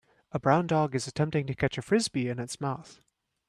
A brown dog is attempting to catch a Frisbee in its mouth.